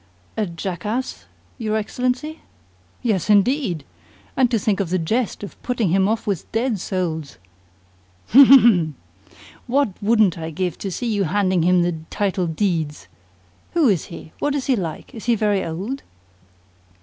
"A jackass, your Excellency?" "Yes, indeed! And to think of the jest of putting him off with dead souls! Ha, ha, ha! WHAT wouldn't I give to see you handing him the title deeds? Who is he? What is he like? Is he very old?"